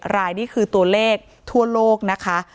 รายนี่คือตัวเลขทั่วโลกนะคะ